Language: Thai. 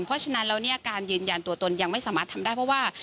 เพราะฉะนั้นแล้วเนี่ยการยืนยันตัวตนยังไม่สามารถทำได้เพราะว่า